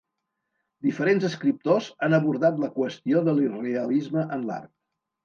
Diferents escriptors han abordat la qüestió de l'irrealisme en l'art.